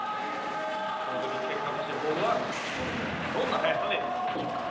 その時結果としてボールはどの向きにどんな速さで進むでしょうか？